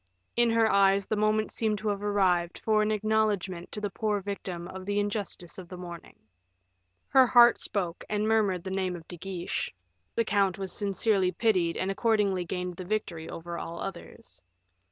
In her eyes the moment seemed to have arrived for an acknowledgement to the poor victim of the injustice of the morning. Her heart spoke, and murmured the name of De Guiche; the count was sincerely pitied and accordingly gained the victory over all others.